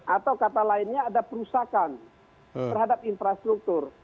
atau kata lainnya ada perusakan terhadap infrastruktur